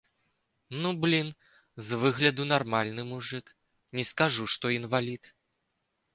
Ну, блін, з выгляду нармальны мужык, не скажу, што інвалід.